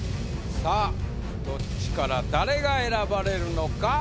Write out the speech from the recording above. さぁどっちから誰が選ばれるのか？